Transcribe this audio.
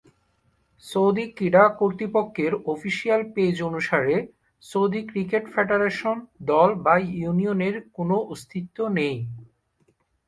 Saudi ক্রীড়া কর্তৃপক্ষের official page অনুসারে, সৌদি ক্রিকেট ফেডারেশন, দল বা ইউনিয়নের কোনও অস্তিত্ব নেই।